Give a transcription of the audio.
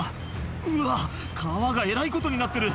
「うわ川がえらいことになってる」